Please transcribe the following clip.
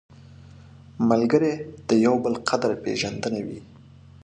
ملګری د یو بل قدر پېژندنه وي